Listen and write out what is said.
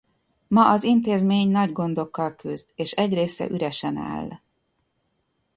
Ma az intézmény nagy gondokkal küzd és egy része üresen áll.